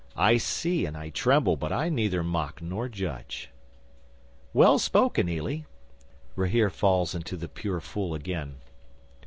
"I see and I tremble, but I neither mock nor judge." "Well spoken, Ely." Rahere falls into the pure fool again.